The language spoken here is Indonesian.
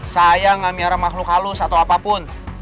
saya gak miarah makhluk halus atau apapun